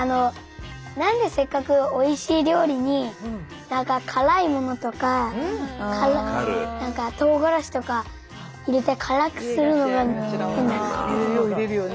なんでせっかくおいしい料理になんか辛いものとかとうがらしとか入れて辛くするのが変だなと思う。